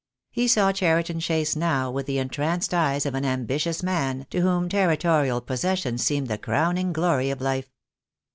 He saw Cheriton Chase now with the entranced eyes of an ambitious man to whom territorial possession seemed the crowning glory of life.